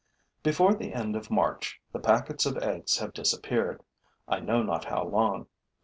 Before the end of March, the packets of eggs have disappeared, I know not how long.